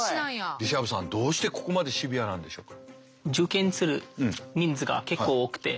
リシャブさんどうしてここまでシビアなんでしょうか？